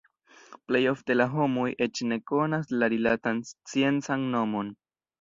Plej ofte la homoj eĉ ne konas la rilatan sciencan nomon.